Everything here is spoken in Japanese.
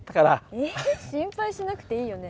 えっ心配しなくていいよね。